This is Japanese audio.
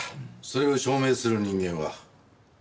それを証明する人間は？